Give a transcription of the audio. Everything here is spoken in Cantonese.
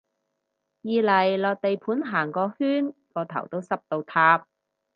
二嚟落地盤行個圈個頭都濕到塌